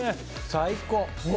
最高！